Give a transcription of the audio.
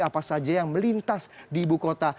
apa saja yang melintas di ibu kota